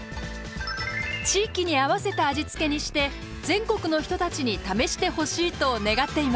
地域に合わせた味付けにして全国の人たちに試してほしいと願っています。